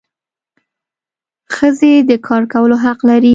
ښځي د کار کولو حق لري.